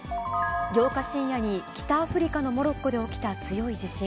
８日深夜に北アフリカのモロッコで起きた強い地震。